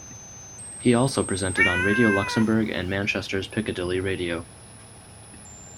He also presented on Radio Luxembourg and Manchester's Piccadilly Radio.